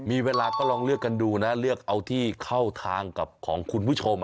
มีเวลาก็ลองเลือกกันดูนะเลือกเอาที่เข้าทางกับของคุณผู้ชม